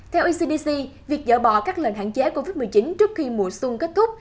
theo ecdc việc dỡ bỏ các lệnh hạn chế covid một mươi chín trước khi mùa xuân kết thúc